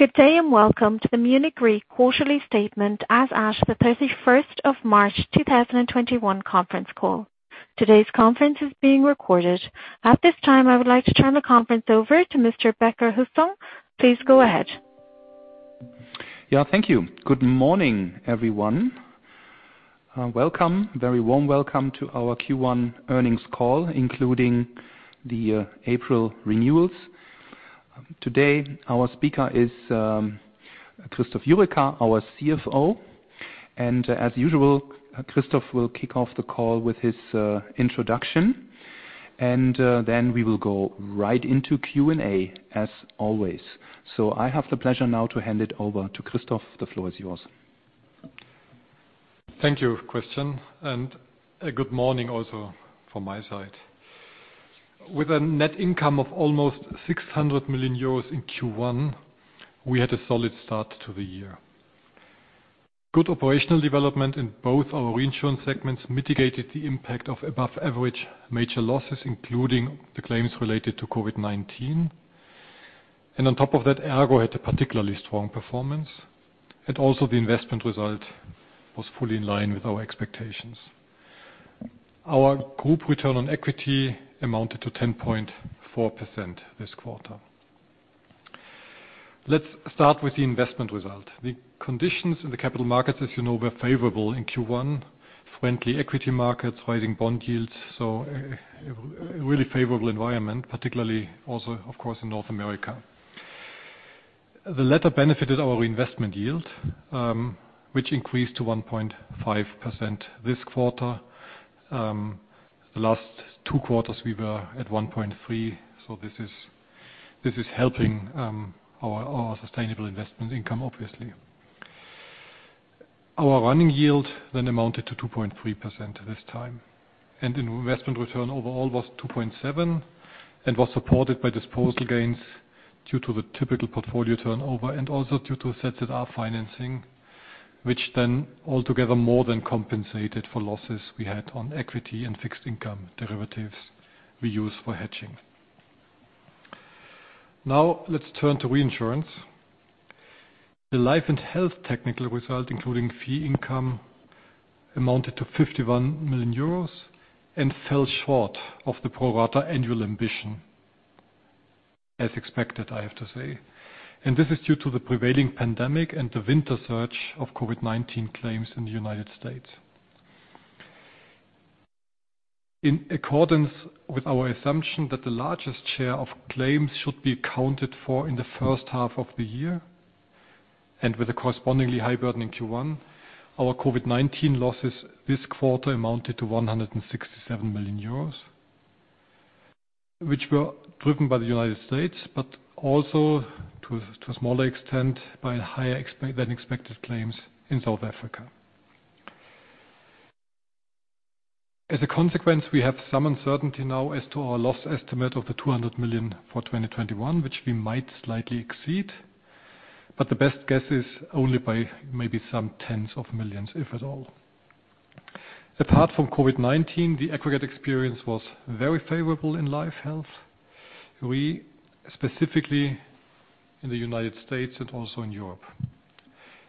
Good day, welcome to the Munich Re quarterly statement, as at the 31st of March 2021 conference call. Today's conference is being recorded. At this time, I would like to turn the conference over to Mr. Becker-Hussong. Please go ahead. Yeah, thank you. Good morning, everyone. Welcome. Very warm welcome to our Q1 earnings call, including the April renewals. Today, our speaker is Christoph Jurecka, our CFO, and as usual, Christoph will kick off the call with his introduction, and then we will go right into Q&A as always. I have the pleasure now to hand it over to Christoph. The floor is yours. Thank you, Christian. A good morning also from my side. With a net income of almost 600 million euros in Q1, we had a solid start to the year. Good operational development in both our reinsurance segments mitigated the impact of above average major losses, including the claims related to COVID-19. On top of that, ERGO had a particularly strong performance. Also the investment result was fully in line with our expectations. Our group return on equity amounted to 10.4% this quarter. Let's start with the investment result. The conditions in the capital markets, as you know, were favorable in Q1. Friendly equity markets, rising bond yields, so a really favorable environment, particularly also, of course, in North America. The latter benefited our reinvestment yield, which increased to 1.5% this quarter. The last two quarters, we were at 1.3%. This is helping our sustainable investment income, obviously. Our running yield amounted to 2.3% this time, and investment return overall was 2.7% and was supported by disposal gains due to the typical portfolio turnover and also due to a set of our financing, which then altogether more than compensated for losses we had on equity and fixed income derivatives we use for hedging. Let's turn to reinsurance. The life and health technical result, including fee income, amounted to 51 million euros and fell short of the pro rata annual ambition, as expected, I have to say. This is due to the prevailing pandemic and the winter surge of COVID-19 claims in the United States. In accordance with our assumption that the largest share of claims should be accounted for in the first half of the year, and with a correspondingly high burden in Q1, our COVID-19 losses this quarter amounted to 167 million euros, which were driven by the United States, but also to a smaller extent, by higher than expected claims in South Africa. As a consequence, we have some uncertainty now as to our loss estimate of 200 million for 2021, which we might slightly exceed, but the best guess is only by maybe some tens of millions, if at all. Apart from COVID-19, the aggregate experience was very favorable in life, health. We, specifically in the United States and also in Europe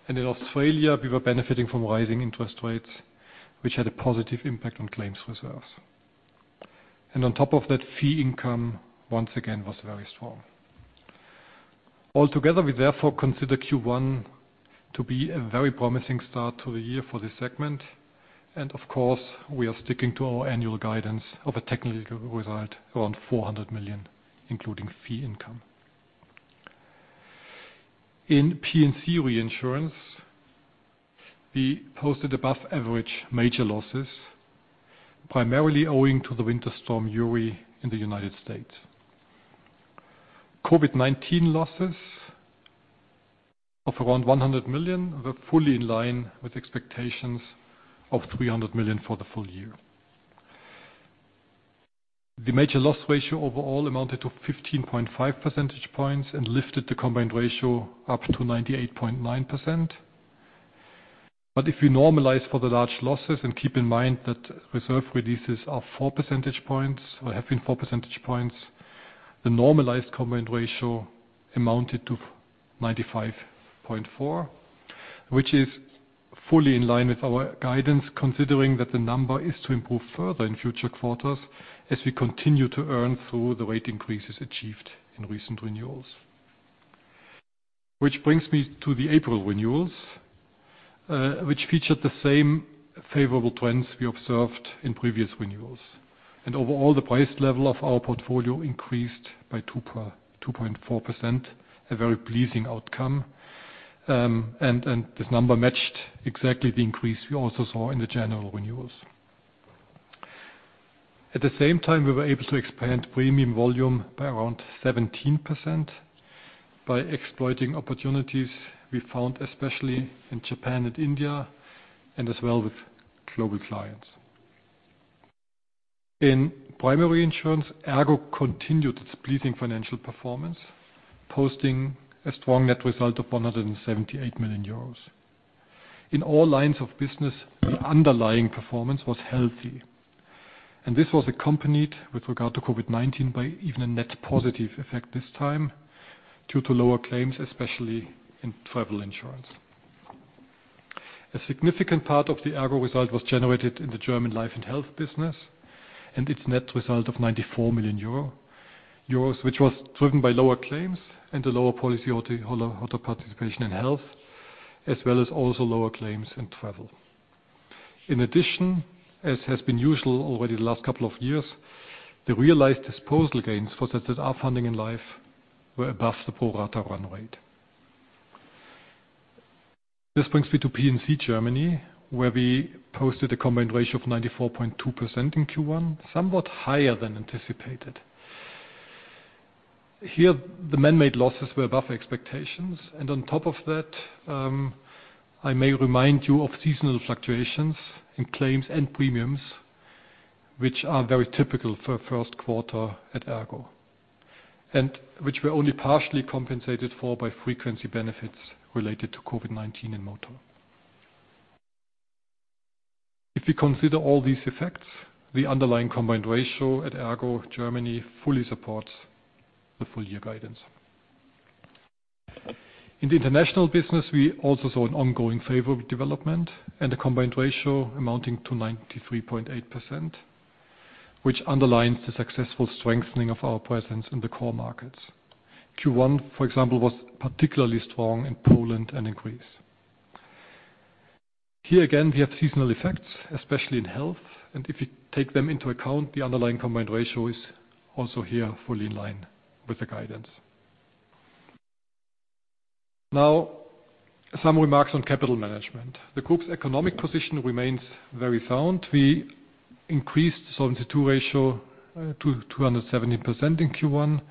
and in Australia, were benefiting from rising interest rates, which had a positive impact on claims reserves. On top of that, fee income, once again, was very strong. Altogether, we therefore consider Q1 to be a very promising start to the year for this segment. Of course, we are sticking to our annual guidance of a technical result around 400 million, including fee income. In P&C reinsurance, we posted above average major losses, primarily owing to the winter storm Uri in the United States. COVID-19 losses of around 100 million were fully in line with expectations of 300 million for the full year. The major loss ratio overall amounted to 15.5 percentage points and lifted the combined ratio up to 98.9%. If you normalize for the large losses and keep in mind that reserve releases are 4 percentage points, or have been 4 percentage points, the normalized combined ratio amounted to 95.4%, which is fully in line with our guidance, considering that the number is to improve further in future quarters as we continue to earn through the rate increases achieved in recent renewals. Which brings me to the April renewals, which featured the same favorable trends we observed in previous renewals. Overall, the price level of our portfolio increased by 2.4%, a very pleasing outcome. This number matched exactly the increase we also saw in the general renewals. At the same time, we were able to expand premium volume by around 17% by exploiting opportunities we found, especially in Japan and India, and as well with global clients. In primary insurance, ERGO continued its pleasing financial performance, posting a strong net result of 178 million euros. In all lines of business, the underlying performance was healthy. This was accompanied, with regard to COVID-19, by even a net positive effect this time due to lower claims, especially in travel insurance. A significant part of the ERGO result was generated in the German life and health business and its net result of 94 million euro, which was driven by lower claims and the lower policyholder participation in health, as well as also lower claims in travel. In addition, as has been usual already the last couple of years, the realized disposal gains for the [ZZR] funding in life were above the pro rata run rate. This brings me to P&C Germany, where we posted a combined ratio of 94.2% in Q1, somewhat higher than anticipated. Here, the manmade losses were above expectations. On top of that, I may remind you of seasonal fluctuations in claims and premiums, which are very typical for a first quarter at ERGO, and which were only partially compensated for by frequency benefits related to COVID-19 and motor. If you consider all these effects, the underlying combined ratio at ERGO Germany fully supports the full year guidance. In the international business, we also saw an ongoing favorable development and a combined ratio amounting to 93.8%, which underlines the successful strengthening of our presence in the core markets. Q1, for example, was particularly strong in Poland and in Greece. Here again, we have seasonal effects, especially in health. If you take them into account, the underlying combined ratio is also here fully in line with the guidance. Some remarks on capital management. The group's economic position remains very sound. We increased the Solvency II ratio to 217% in Q1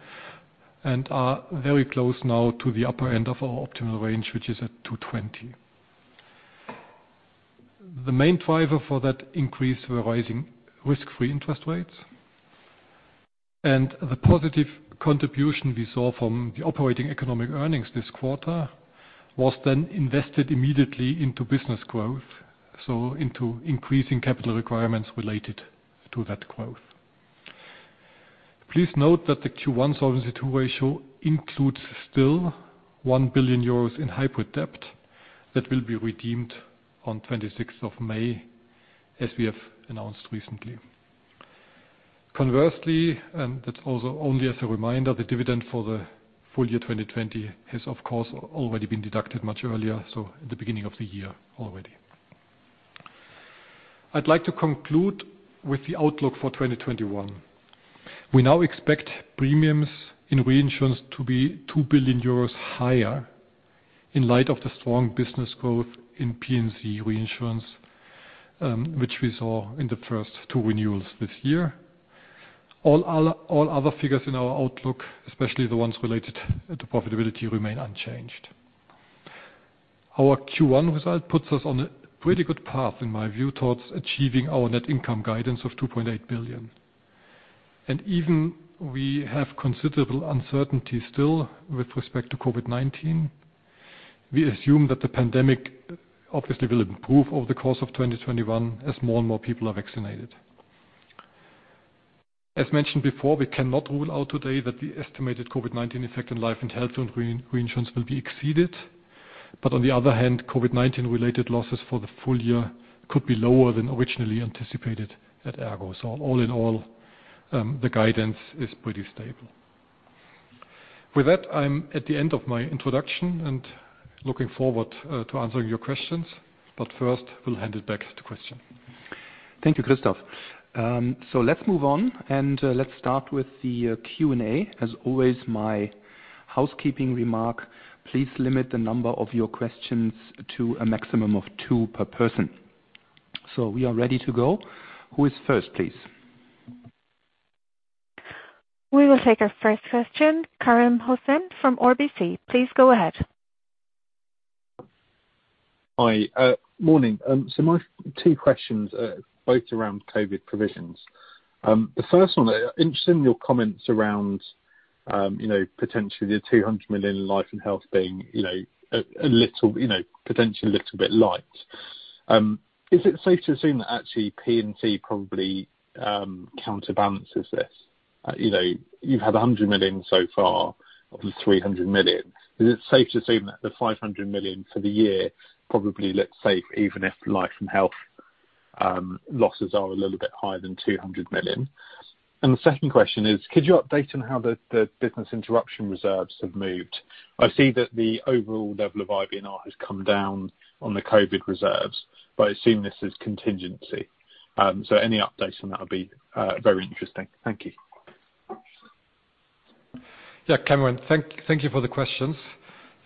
and are very close now to the upper end of our optimal range, which is at 220%. The main driver for that increase were rising risk-free interest rates. The positive contribution we saw from the operating economic earnings this quarter was then invested immediately into business growth, so into increasing capital requirements related to that growth. Please note that the Q1 Solvency II ratio includes still 1 billion euros in hybrid debt that will be redeemed on 26th of May, as we have announced recently. Conversely, and that's also only as a reminder, the dividend for the full year 2020 has, of course, already been deducted much earlier, so at the beginning of the year already. I'd like to conclude with the outlook for 2021. We now expect premiums in reinsurance to be 2 billion euros higher in light of the strong business growth in P&C reinsurance, which we saw in the first two renewals this year. All other figures in our outlook, especially the ones related to profitability, remain unchanged. Our Q1 result puts us on a pretty good path, in my view, towards achieving our net income guidance of 2.8 billion. Even we have considerable uncertainty still with respect to COVID-19, we assume that the pandemic obviously will improve over the course of 2021 as more and more people are vaccinated. As mentioned before, we cannot rule out today that the estimated COVID-19 effect in life and health and reinsurance will be exceeded. On the other hand, COVID-19 related losses for the full year could be lower than originally anticipated at ERGO. All in all, the guidance is pretty stable. With that, I'm at the end of my introduction and looking forward to answering your questions. First, we'll hand it back to Christian. Thank you, Christoph. Let's move on and let's start with the Q&A. As always, my housekeeping remark, please limit the number of your questions to a maximum of two per person. We are ready to go. Who is first, please? We will take our first question, Kamran Hossain from RBC. Please go ahead. Hi. Morning. My two questions are both around COVID provisions. The first one, I'm interested in your comments around potentially the 200 million in life and health being potentially a little bit light. Is it safe to assume that actually P&C probably counterbalances this? You've had 100 million so far of the 300 million. Is it safe to assume that the 500 million for the year probably looks safe, even if life and health losses are a little bit higher than 200 million? The second question is, could you update on how the business interruption reserves have moved? I see that the overall level of IBNR has come down on the COVID reserves, but I assume this is contingency. Any updates on that would be very interesting. Thank you. Kamran, thank you for the questions.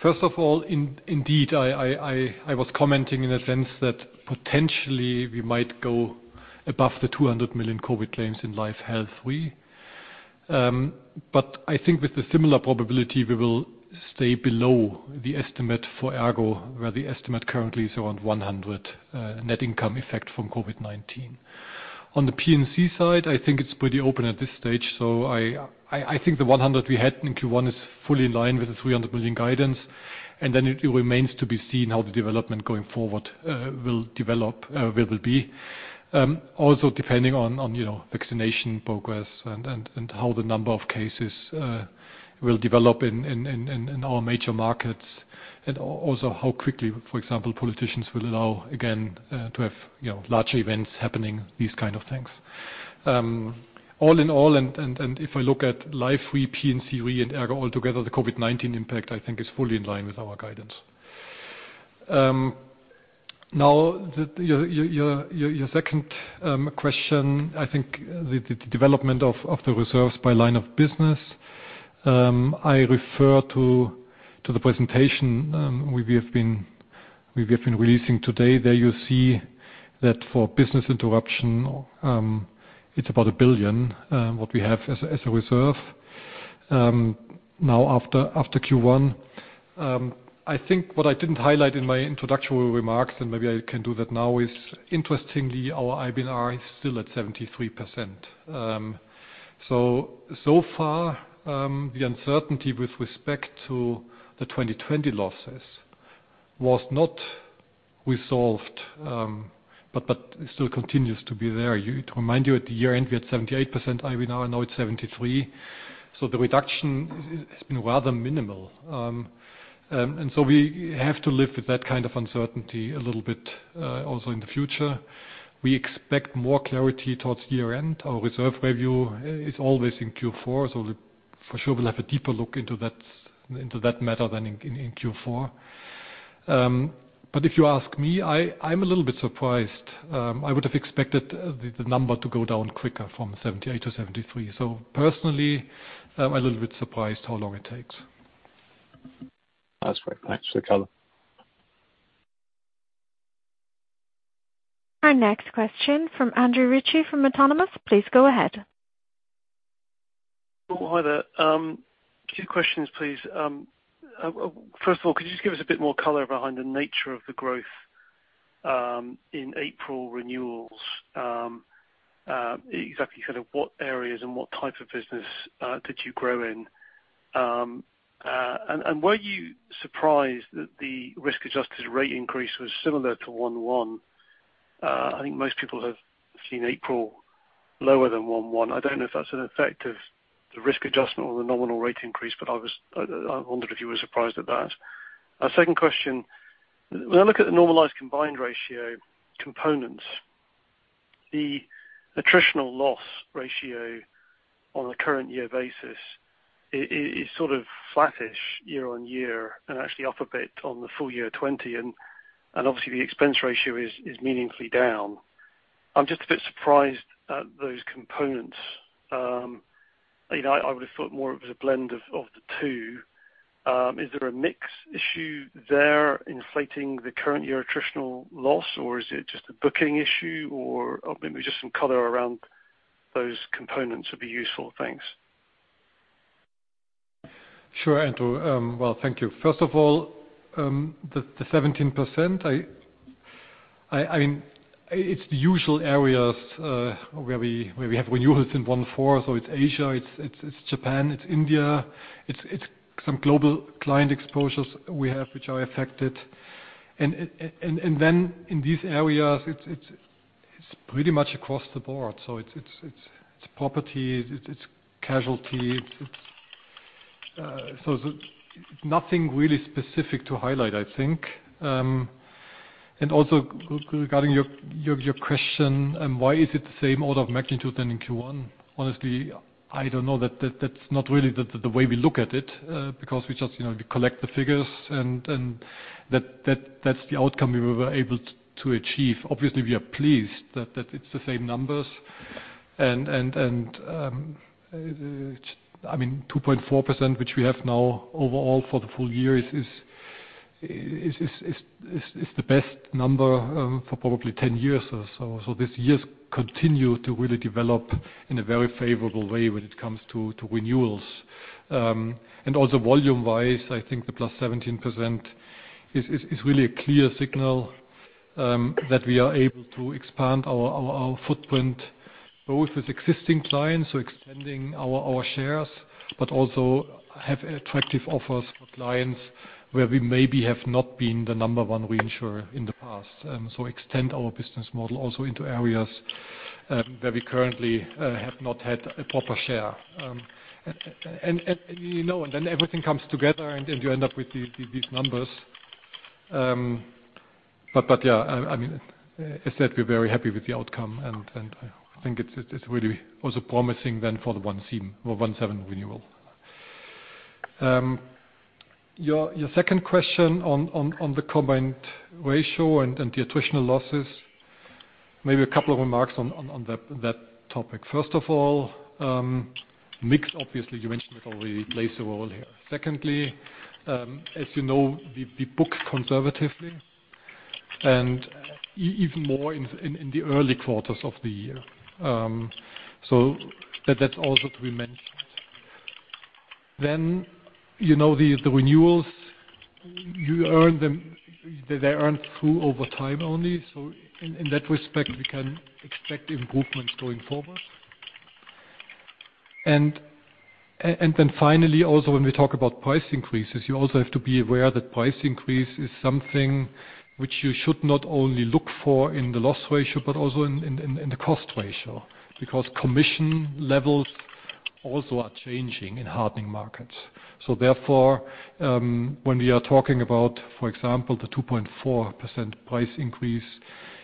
First of all, indeed, I was commenting in a sense that potentially we might go above the 200 million COVID claims in life health re. But I think with the similar probability, we will stay below the estimate for ERGO, where the estimate currently is around 100 million net income effect from COVID-19. On the P&C side, I think it's pretty open at this stage. I think the 100 million we had in Q1 is fully in line with the 300 million guidance, and then it remains to be seen how the development going forward will be. Also depending on vaccination progress and how the number of cases will develop in our major markets, and also how quickly, for example, politicians will allow again to have large events happening, these kind of things. All in all, if I look at life re, P&C re and ERGO all together, the COVID-19 impact, I think, is fully in line with our guidance. Your second question, I think the development of the reserves by line of business. I refer to the presentation we have been releasing today. There you see that for business interruption, it's about 1 billion, what we have as a reserve. After Q1. I think what I didn't highlight in my introductory remarks, maybe I can do that now, is interestingly, our IBNR is still at 73%. So far, the uncertainty with respect to the 2020 losses was not resolved. It still continues to be there. To remind you, at the year-end, we had 78% IBNR, now it's 73%. The reduction has been rather minimal. We have to live with that kind of uncertainty a little bit, also in the future. We expect more clarity towards year-end. Our reserve review is always in Q4, for sure we'll have a deeper look into that matter then in Q4. If you ask me, I'm a little bit surprised. I would have expected the number to go down quicker from 78% to 73%. Personally, I'm a little bit surprised how long it takes. That's great. Thanks for the color. Our next question from Andrew Ritchie from Autonomous. Please go ahead. Hi there. Two questions, please. First of all, could you just give us a bit more color behind the nature of the growth, in April renewals. Exactly kind of what areas and what type of business did you grow in. Were you surprised that the risk-adjusted rate increase was similar to 01/01? I think most people have seen April lower than 01/01. I don't know if that's an effect of the risk adjustment or the nominal rate increase, but I wondered if you were surprised at that. Our second question, when I look at the normalized combined ratio components, the attritional loss ratio on a current year basis is sort of flattish year-on-year and actually up a bit on the full year 2020. Obviously the expense ratio is meaningfully down. I'm just a bit surprised at those components. I would have thought more it was a blend of the two. Is there a mix issue there inflating the current year attritional loss, or is it just a booking issue, or maybe just some color around those components would be useful. Thanks. Sure, Andrew. Well, thank you. First of all, the 17%, it's the usual areas, where we have renewals in 01/04. It's Asia, it's Japan, it's India, it's some global client exposures we have, which are affected. In these areas, it's pretty much across the board. It's property, it's casualty. Nothing really specific to highlight, I think. Regarding your question, why is it the same order of magnitude than in Q1? Honestly, I don't know. That's not really the way we look at it, because we just collect the figures and that's the outcome we were able to achieve. Obviously, we are pleased that it's the same numbers. 2.4%, which we have now overall for the full year, is the best number for probably 10 years or so. This year continue to really develop in a very favorable way when it comes to renewals. Also volume-wise, I think the +17% is really a clear signal, that we are able to expand our footprint both with existing clients, so extending our shares, but also have attractive offers for clients where we maybe have not been the number one reinsurer in the past. Extend our business model also into areas, where we currently have not had a proper share. Everything comes together, and you end up with these numbers. Yeah, as I said, we're very happy with the outcome, and I think it really was a promising then for the 01/07 renewal. Your second question on the combined ratio and the attritional losses. Maybe a couple of remarks on that topic. First of all, mix, obviously, you mentioned it already, plays a role here. Secondly, as you know, we book conservatively and even more in the early quarters of the year. That's also to be mentioned. The renewals, they earn through over time only. In that respect, we can expect improvements going forward. Finally, also when we talk about price increases, you also have to be aware that price increase is something which you should not only look for in the loss ratio, but also in the cost ratio, because commission levels also are changing in hardening markets. Therefore, when we are talking about, for example, the 2.4% price increase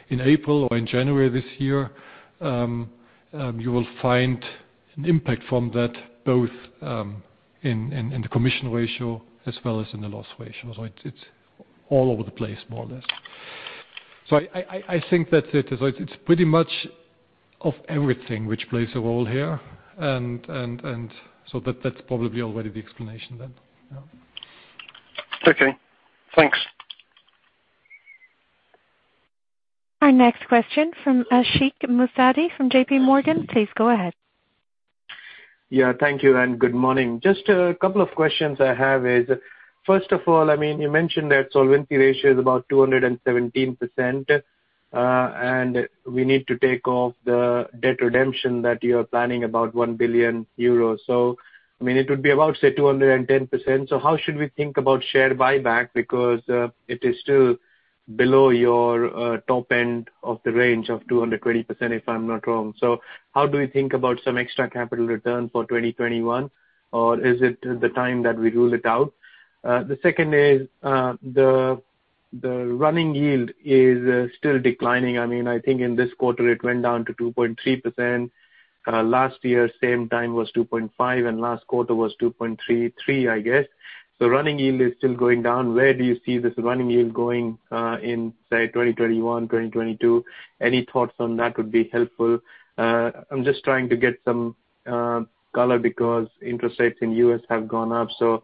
in April or in January this year, you will find an impact from that both in the commission ratio as well as in the loss ratio. It's all over the place, more or less. I think that it's pretty much of everything which plays a role here. That's probably already the explanation then. Yeah. Okay, thanks. Our next question from Ashik Musaddi from JPMorgan. Please go ahead. Thank you and good morning. Just a couple of questions I have is, first of all, you mentioned that solvency ratio is about 217%, and we need to take off the debt redemption that you are planning about 1 billion euros. It would be about, say, 210%. How should we think about share buyback? Because it is still below your top end of the range of 220%, if I'm not wrong. How do we think about some extra capital return for 2021? Is it the time that we rule it out? The second is, the running yield is still declining. I think in this quarter it went down to 2.3%. Last year, same time was 2.5%, and last quarter was 2.33%, I guess. Running yield is still going down. Where do you see this running yield going in, say, 2021, 2022? Any thoughts on that would be helpful. I am just trying to get some color because interest rates in the U.S. have gone up. Does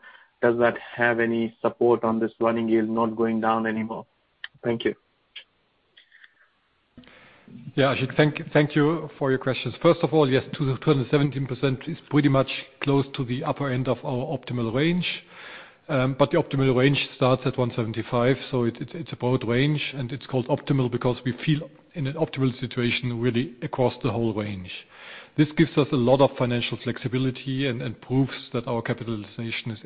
that have any support on this running yield not going down anymore? Thank you. Yeah, Ashik. Thank you for your questions. First of all, yes, 217% is pretty much close to the upper end of our optimal range. The optimal range starts at 175%, so it's a broad range, and it's called optimal because we feel in an optimal situation, really across the whole range. This gives us a lot of financial flexibility and proves that our capitalization is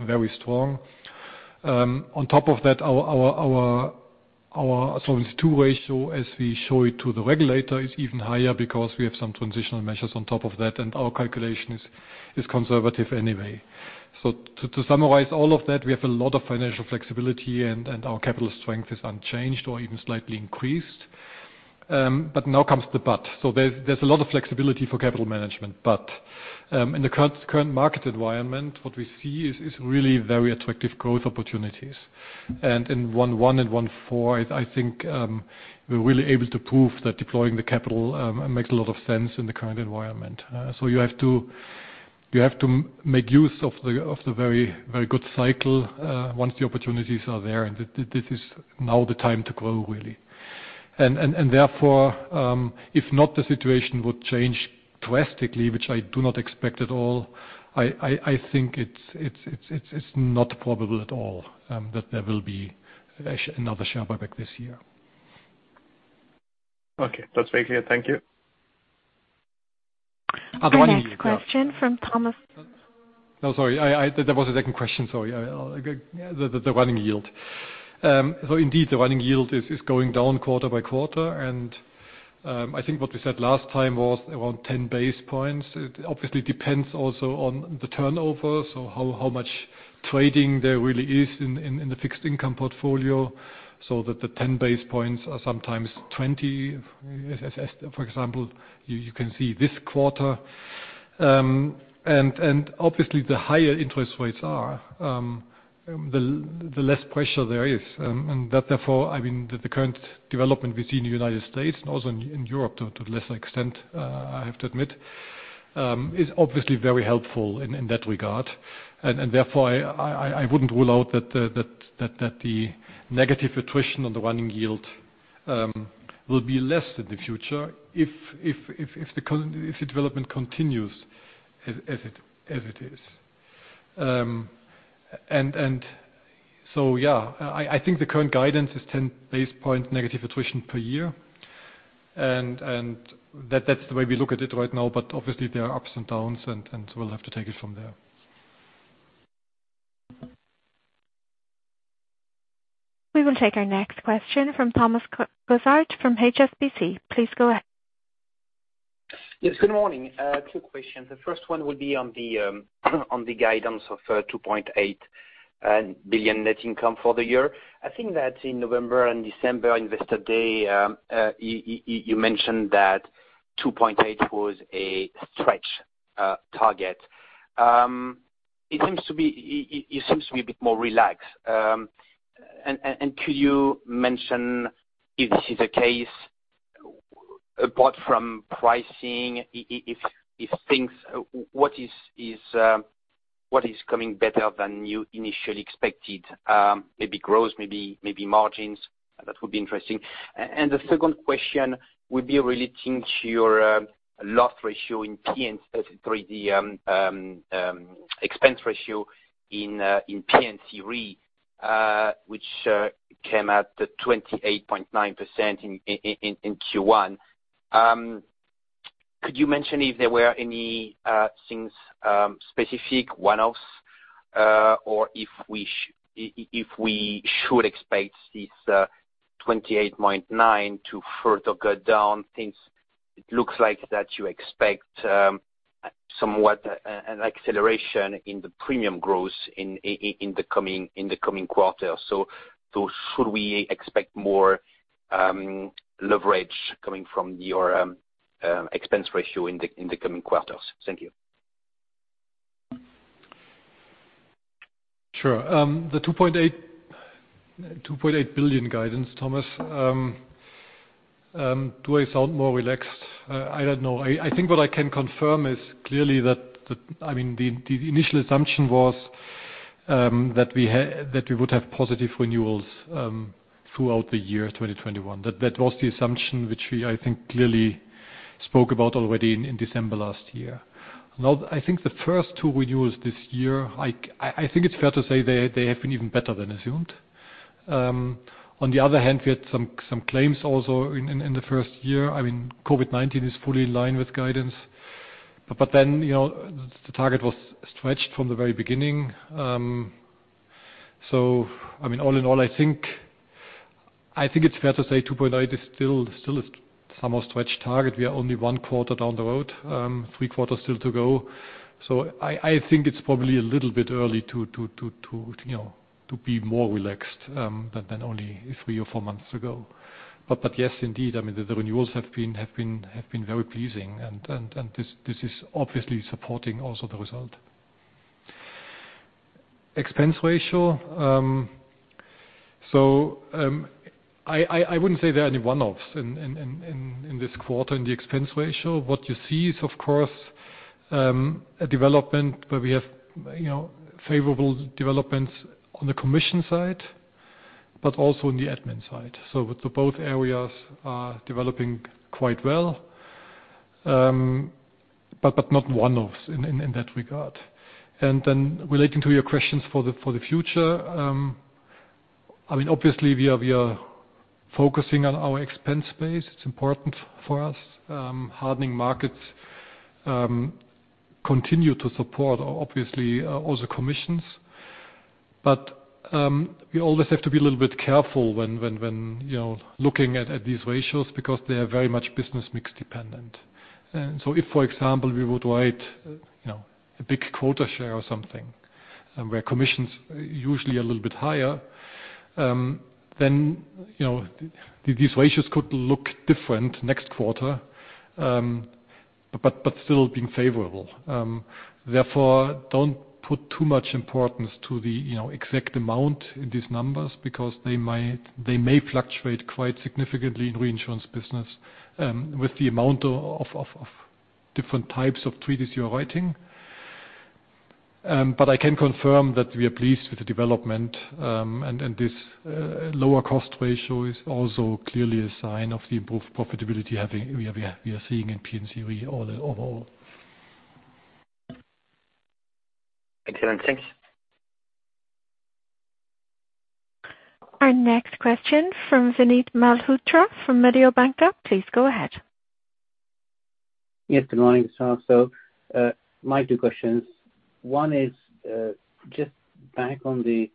very strong. On top of that, our Solvency II ratio as we show it to the regulator, is even higher because we have some transitional measures on top of that, and our calculation is conservative anyway. To summarize all of that, we have a lot of financial flexibility and our capital strength is unchanged or even slightly increased. Now comes the but. There's a lot of flexibility for capital management. But in the current market environment, what we see is really very attractive growth opportunities. In 01/01 and 01/04, I think, we're really able to prove that deploying the capital makes a lot of sense in the current environment. You have to make use of the very good cycle, once the opportunities are there. This is now the time to grow, really. Therefore, if not, the situation would change drastically, which I do not expect at all. I think it's not probable at all that there will be another share buyback this year. Okay. That's very clear. Thank you. Other- The next question from Thomas- Oh, sorry, there was a second question. Sorry. The running yield. Indeed, the running yield is going down quarter-by-quarter. I think what we said last time was around 10 basis points. It obviously depends also on the turnover. How much trading there really is in the fixed income portfolio, so that the 10 basis points are sometimes 20. For example, you can see this quarter. Obviously, the higher interest rates are, the less pressure there is. Therefore, the current development we see in the United States and also in Europe to a lesser extent, I have to admit, is obviously very helpful in that regard. Therefore, I wouldn't rule out that the negative attrition on the running yield will be less in the future if the development continues as it is. Yeah, I think the current guidance is 10 basis points negative attrition per year. That's the way we look at it right now. Obviously there are ups and downs and so we'll have to take it from there. We will take our next question from Thomas Fossard from HSBC. Please go ahead. Yes. Good morning. Two questions. The first one would be on the guidance of 2.8 billion net income for the year. I think that in November and December investor day, you mentioned that 2.8 billion was a stretch target. It seems to be a bit more relaxed. Could you mention if this is the case, apart from pricing, what is coming better than you initially expected? Maybe growth, maybe margins. That would be interesting. The second question would be relating to your loss ratio in P&C, the expense ratio in P&C re. Which came out at 28.9% in Q1. Could you mention if there were any things specific, one-offs, or if we should expect this 28.9% to further go down since it looks like that you expect somewhat an acceleration in the premium growth in the coming quarter? Should we expect more leverage coming from your expense ratio in the coming quarters? Thank you. Sure. The 2.8 billion guidance, Thomas, do I sound more relaxed? I don't know. I think what I can confirm is clearly that the initial assumption was that we would have positive renewals throughout the year 2021. That was the assumption which we, I think, clearly spoke about already in December last year. I think the first two renewals this year, I think it's fair to say they have been even better than assumed. On the other hand, we had some claims also in the first year. COVID-19 is fully in line with guidance. The target was stretched from the very beginning. All in all, I think it's fair to say 2.8 billion is still a somewhat stretched target. We are only one quarter down the road, three quarters still to go. I think it's probably a little bit early to be more relaxed than only three or four months ago. Yes, indeed, the renewals have been very pleasing, and this is obviously supporting also the result. Expense ratio. I wouldn't say there are any one-offs in this quarter in the expense ratio. What you see is, of course, a development where we have favorable developments on the commission side, but also on the admin side. Both areas are developing quite well, but not one-offs in that regard. Relating to your questions for the future, obviously we are focusing on our expense base. It's important for us. Hardening markets continue to support, obviously, also commissions. We always have to be a little bit careful when looking at these ratios because they are very much business mix dependent. If, for example, we would write a big quota share or something where commission's usually a little bit higher, then these ratios could look different next quarter, but still being favorable. Don't put too much importance to the exact amount in these numbers, because they may fluctuate quite significantly in reinsurance business, with the amount of different types of treaties you are writing. I can confirm that we are pleased with the development, and this lower cost ratio is also clearly a sign of the improved profitability we are seeing in P&C overall. Excellent. Thanks. Our next question from Vinit Malhotra from Mediobanca. Please go ahead. Yes, good morning, sir. My two questions. One is just back on the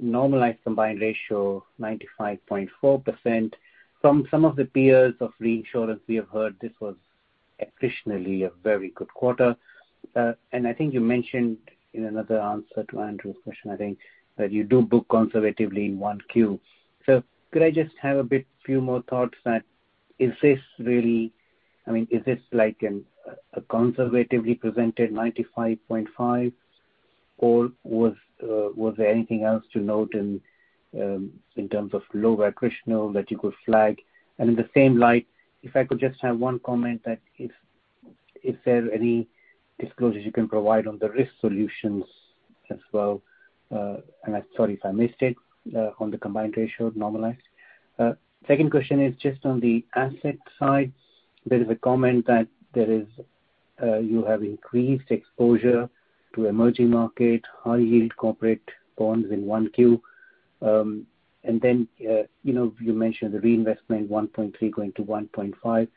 normalized combined ratio, 95.4%. From some of the peers of reinsurance, we have heard this was additionally a very good quarter. I think you mentioned in another answer to Andrew's question that you do book conservatively in 1Q. Could I just have a few more thoughts that, is this like a conservatively presented 95.5%, or was there anything else to note in terms of lower attritional that you could flag? In the same light, if I could just have one comment that if there are any disclosures you can provide on the risk solutions as well. I'm sorry if I missed it on the combined ratio normalized. Second question is just on the asset side. There is a comment that you have increased exposure to emerging market, high yield corporate bonds in 1Q. Then you mentioned the reinvestment, 1.3% going to 1.5%.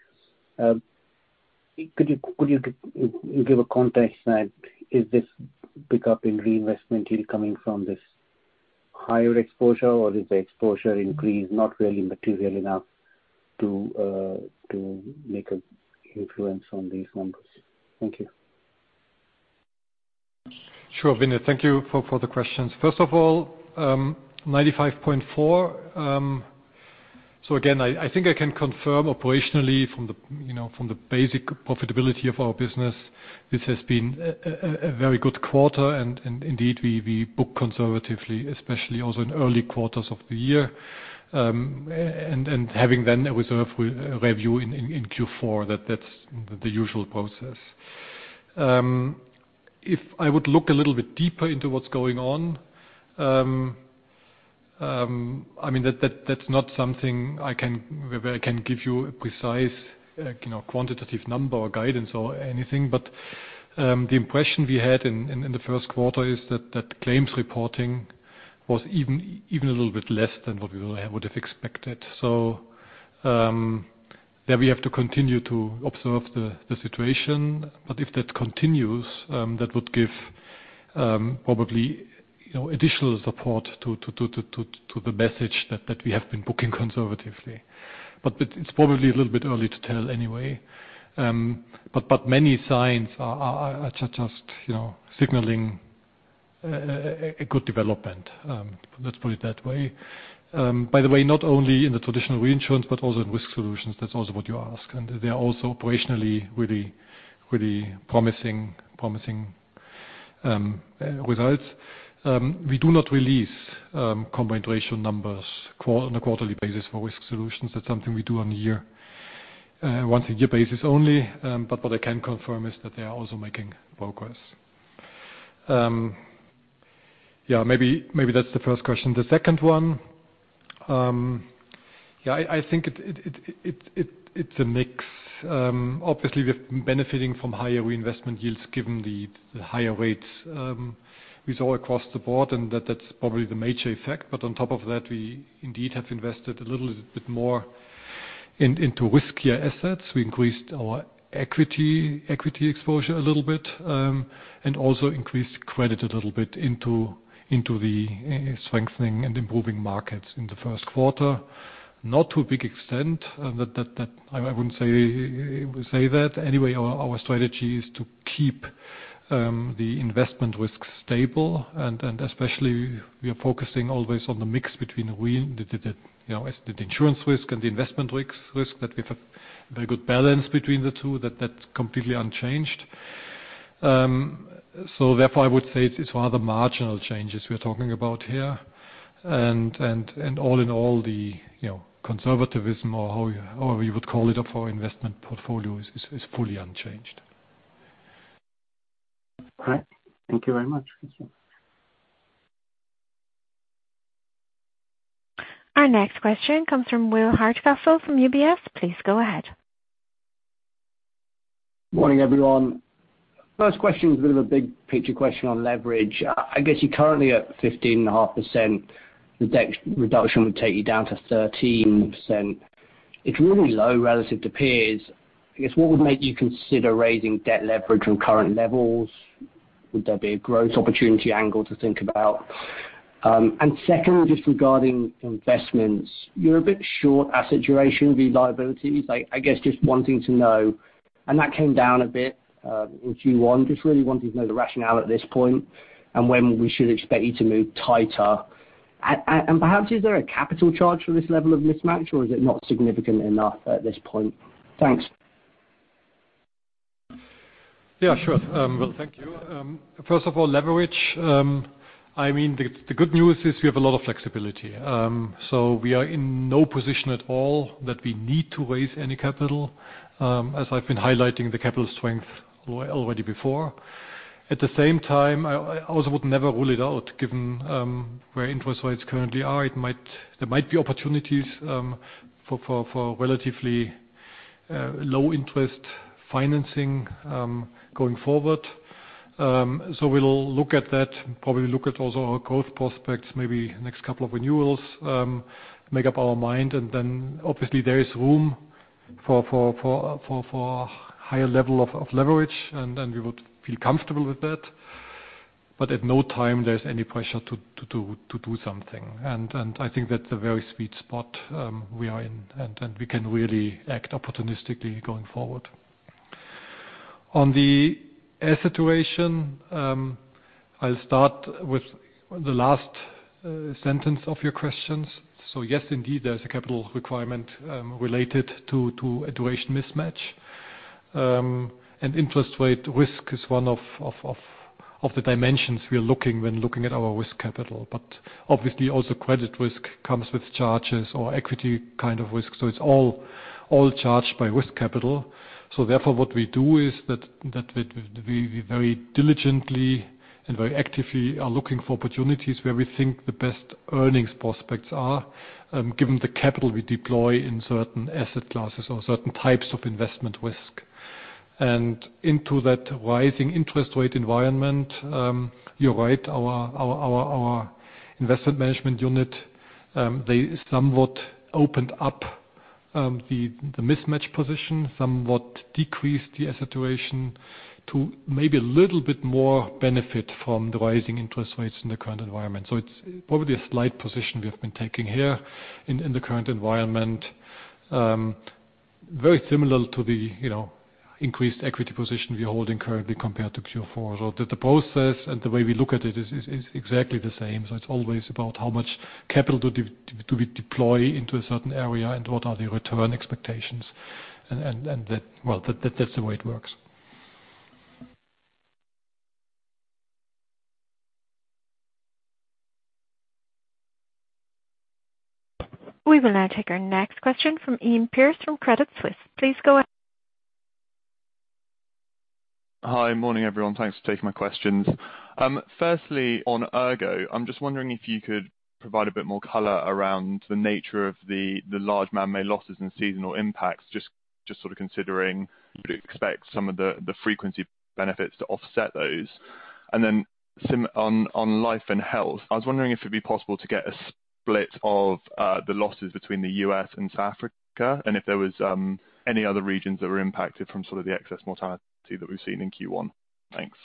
Could you give a context that, is this pickup in reinvestment yield coming from this higher exposure, or is the exposure increase not really material enough to make an influence on these numbers? Thank you. Sure, Vinit. Thank you for the questions. First of all, 95.4%. Again, I think I can confirm operationally from the basic profitability of our business, this has been a very good quarter, and indeed, we book conservatively, especially also in early quarters of the year. Having then a reserve review in Q4. That's the usual process. If I would look a little bit deeper into what's going on, I mean, that's not something where I can give you a precise quantitative number or guidance or anything. The impression we had in the first quarter is that claims reporting was even a little bit less than what we would have expected. There we have to continue to observe the situation. If that continues, that would give probably additional support to the message that we have been booking conservatively. It's probably a little bit early to tell anyway. Many signs are just signaling a good development. Let's put it that way. By the way, not only in the traditional reinsurance, but also in risk solutions. That's also what you ask. They are also operationally really promising results. We do not release combined ratio numbers on a quarterly basis for risk solutions. That's something we do once a year basis only. What I can confirm is that they are also making progress. Yeah, maybe that's the first question. The second one. Yeah, I think it's a mix. Obviously, we have been benefiting from higher reinvestment yields given the higher rates we saw across the board, and that's probably the major effect. On top of that, we indeed have invested a little bit more into riskier assets. We increased our equity exposure a little bit. Also increased credit a little bit into the strengthening and improving markets in the first quarter. Not to a big extent. I wouldn't say that. Our strategy is to keep the investment risk stable, and especially, we are focusing always on the mix between the insurance risk and the investment risk, that we have a very good balance between the two. That's completely unchanged. Therefore, I would say it's rather marginal changes we're talking about here. All in all the conservativism or however you would call it, of our investment portfolio is fully unchanged. All right. Thank you very much. Our next question comes from Will Hardcastle from UBS. Please go ahead. Morning, everyone. First question is a bit of a big picture question on leverage. I guess you're currently at 15.5%. The debt reduction would take you down to 13%. It's really low relative to peers. I guess, what would make you consider raising debt leverage from current levels? Would there be a growth opportunity angle to think about? Second, just regarding investments. You're a bit short asset duration, the liabilities. I guess just wanting to know, and that came down a bit in Q1. Just really wanted to know the rationale at this point and when we should expect you to move tighter. Perhaps, is there a capital charge for this level of mismatch, or is it not significant enough at this point? Thanks. Yeah, sure. Will, thank you. First of all, leverage. The good news is we have a lot of flexibility. We are in no position at all that we need to raise any capital. As I've been highlighting the capital strength already before. At the same time, I also would never rule it out given where interest rates currently are. There might be opportunities for relatively low interest financing going forward. We'll look at that. Probably look at also our growth prospects, maybe next couple of renewals. Make up our mind, and then obviously there is room for higher level of leverage, and we would feel comfortable with that. At no time there's any pressure to do something. I think that's a very sweet spot we are in, and we can really act opportunistically going forward. On the asset duration. I'll start with the last sentence of your questions. Yes, indeed, there is a capital requirement related to a duration mismatch. Interest rate risk is one of the dimensions we are looking when looking at our risk capital. Obviously, also credit risk comes with charges or equity risk. It's all charged by risk capital. Therefore, what we do is that we very diligently and very actively are looking for opportunities where we think the best earnings prospects are, given the capital we deploy in certain asset classes or certain types of investment risk. Into that rising interest rate environment, you're right. Our investment management unit, they somewhat opened up the mismatch position. Somewhat decreased the asset duration to maybe a little bit more benefit from the rising interest rates in the current environment. It's probably a slight position we have been taking here in the current environment. Very similar to the increased equity position we are holding currently compared to Q4. The process and the way we look at it is exactly the same. It's always about how much capital do we deploy into a certain area, and what are the return expectations. That's the way it works. We will now take our next question from Iain Pearce from Credit Suisse. Please go ahead. Hi. Morning, everyone. Thanks for taking my questions. Firstly, on ERGO, I'm just wondering if you could provide a bit more color around the nature of the large man-made losses and seasonal impacts, just considering would you expect some of the frequency benefits to offset those. Then on life and health, I was wondering if it'd be possible to get a split of the losses between the U.S. and South Africa, and if there was any other regions that were impacted from sort of the excess mortality that we've seen in Q1. Thanks.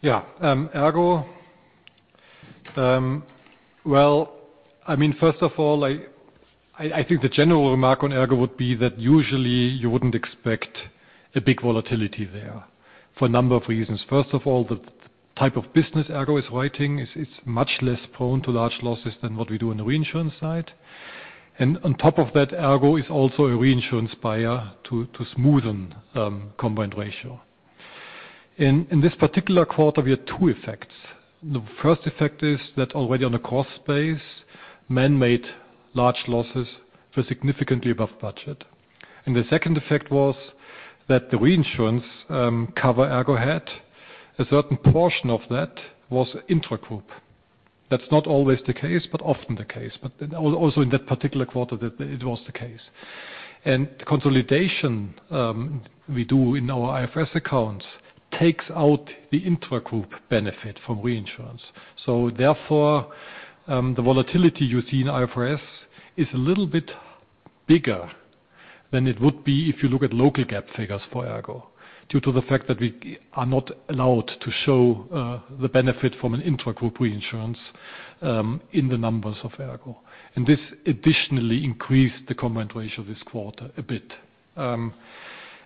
Yeah. ERGO. Well, first of all, I think the general remark on ERGO would be that usually you wouldn't expect a big volatility there, for a number of reasons. First of all, the type of business ERGO is writing, it's much less prone to large losses than what we do on the reinsurance side. On top of that, ERGO is also a reinsurance buyer to smoothen combined ratio. In this particular quarter, we had two effects. The first effect is that already on a cost base, manmade large losses were significantly above budget. The second effect was that the reinsurance cover ERGO had, a certain portion of that was intra-group. That's not always the case, but often the case. Also in that particular quarter, it was the case. Consolidation we do in our IFRS accounts takes out the intra-group benefit from reinsurance. Therefore, the volatility you see in IFRS is a little bit bigger than it would be if you look at local GAAP figures for ERGO, due to the fact that we are not allowed to show the benefit from an intra-group reinsurance in the numbers of ERGO. This additionally increased the combined ratio this quarter a bit.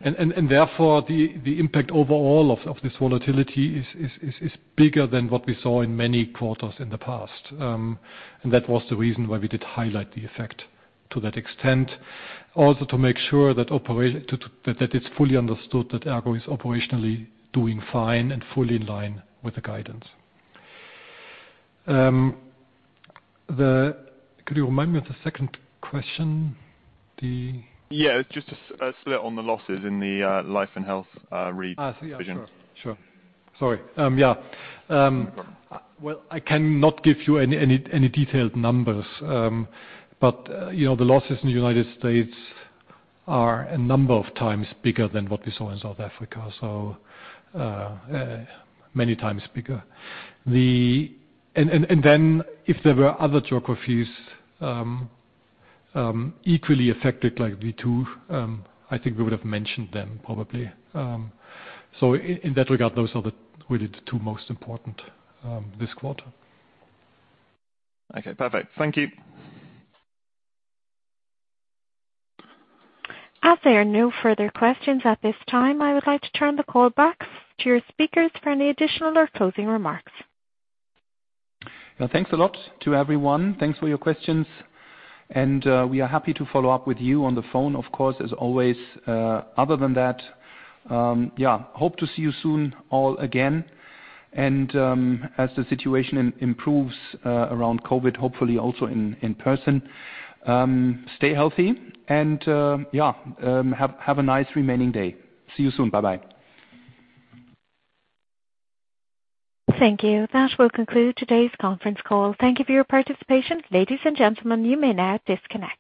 Therefore, the impact overall of this volatility is bigger than what we saw in many quarters in the past. That was the reason why we did highlight the effect to that extent. Also to make sure that it's fully understood that ERGO is operationally doing fine and fully in line with the guidance. Could you remind me of the second question? Yeah, just a split on the losses in the life and health re division. Sure. Sorry. Yeah. No problem. Well, I cannot give you any detailed numbers. The losses in the United States are a number of times bigger than what we saw in South Africa. Many times bigger. If there were other geographies equally affected like the two, I think we would have mentioned them probably. In that regard, those are the two most important this quarter. Okay, perfect. Thank you. As there are no further questions at this time, I would like to turn the call back to your speakers for any additional or closing remarks. Well, thanks a lot to everyone. Thanks for your questions. We are happy to follow up with you on the phone, of course, as always. Other than that, hope to see you soon all again. As the situation improves around COVID, hopefully also in person. Stay healthy and have a nice remaining day. See you soon. Bye-bye. Thank you. That will conclude today's conference call. Thank you for your participation. Ladies and gentlemen, you may now disconnect.